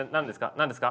何ですか？